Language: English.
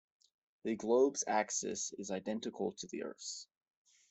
The globe's axis is identical to the Earth's.